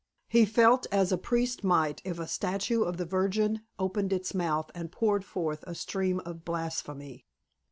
He felt as a priest might if a statue of the Virgin opened its mouth and poured forth a stream of blasphemy.